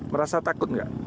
merasa takut nggak